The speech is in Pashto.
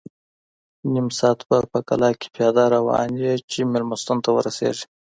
نیم ساعت به په کلا کې پیاده روان یې چې مېلمستون ته ورسېږې.